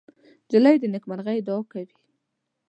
نجلۍ د نیکمرغۍ دعا کوي.